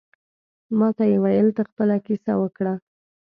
ماته یې ویل ته خپله کیسه وکړه.